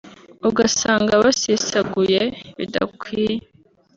ugasanga basesaguye bidakwiye